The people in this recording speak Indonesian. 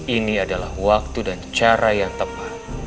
ini adalah waktu dan cara yang tepat